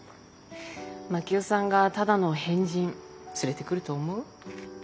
真樹夫さんがただの変人連れてくると思う？